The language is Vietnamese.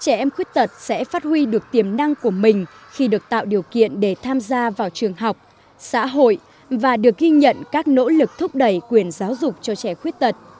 các trẻ em khuyết tật sẽ phát huy được tiềm năng của mình khi được tạo điều kiện để tham gia vào trường học xã hội và được ghi nhận các nỗ lực thúc đẩy quyền giáo dục cho trẻ khuyết tật